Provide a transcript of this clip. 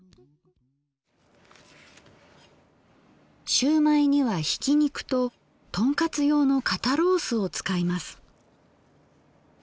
しゅうまいにはひき肉ととんかつ用の肩ロースを使います。